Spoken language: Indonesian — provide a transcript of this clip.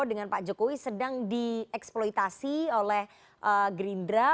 dengan pak jokowi sedang dieksploitasi oleh gerindra